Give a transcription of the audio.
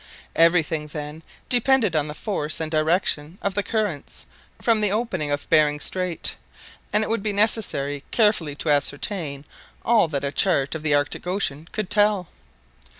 Everything then depended on the force and direction of the currents from the opening of Behring Strait; and it would be necessary carefully to ascertain all that a chart of the Arctic Ocean could tell.